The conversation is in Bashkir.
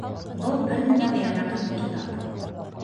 Был бер нәмәгә яраҡһыҙ китап